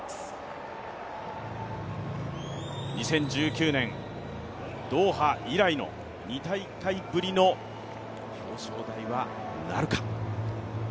２０１９年、ドーハ以来の２大会ぶりの表彰台はなるか。